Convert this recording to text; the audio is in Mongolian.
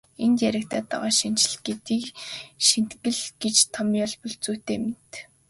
Энд яригдаад байгаа шинэчлэл гэдгийг шинэтгэл гэж томьёолбол зүйтэй мэт.